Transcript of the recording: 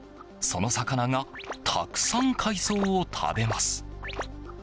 その魚がたくさん海藻を食べます。